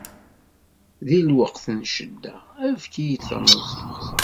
Di lweqt n ccedda, efk-iyi-d tameẓẓuɣt!